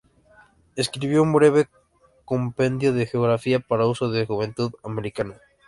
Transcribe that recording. Escribió un breve ""Compendio de Geografía"", para uso de la juventud americana.